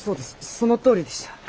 そのとおりでした。